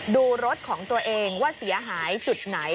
ดูรถของตัวเองว่าเสียหายจุดไหน